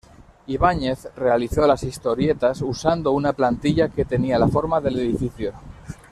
Ibáñez realizó las historietas usando una plantilla que tenía la forma del edificio.